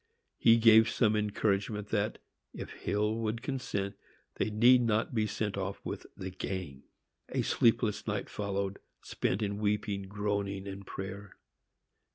He gave some encouragement that, if Hill would consent, they need not be sent off with the gang. A sleepless night followed, spent in weeping, groaning and prayer.